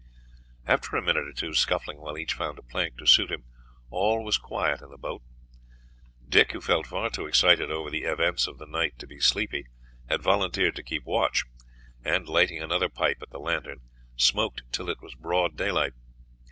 After a minute or two's scuffling while each found a plank to suit him, all was quiet in the boat. Dick, who felt far too excited over the events of the night to be sleepy, had volunteered to keep watch, and, lighting another pipe at the lantern, smoked till it was broad daylight.